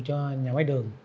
cho nhà máy đường